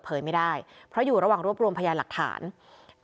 เพราะว่าพ่อมีสองอารมณ์ความรู้สึกดีใจที่เจอพ่อแล้ว